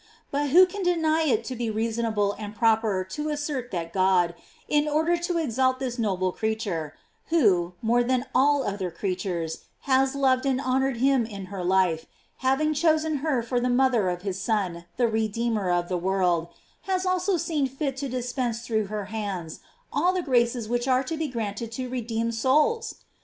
But who can deny it to be reason able and proper to assert that God, in order to exalt this noble creature, who, more than all other creatures, has loved and honored him in her life, having chosen her for the mother of his Son the Redeemer of the world, has also seen fit to dispense through her hands all the graces which are to be granted to redeemed souls?